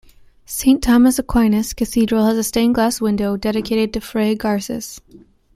Saint Thomas Aquinas Cathedral has a stained glass window dedicated to Fray Garces.